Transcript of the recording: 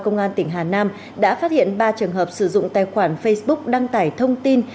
công an tỉnh hà nam đã phát hiện ba trường hợp sử dụng tài khoản facebook đăng tải thông tin